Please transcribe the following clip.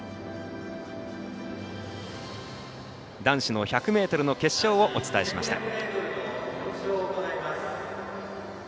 男子の１００ｍの決勝をお伝えしました。